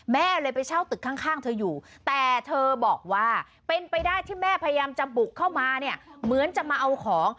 แม่เลยไปเช่าตึกข้างเธออยู่แต่เธอบอกว่าเป็นไปได้ที่แม่พยายามจะบุกเข้ามาเนี่ยเหมือนจะมาเอาของ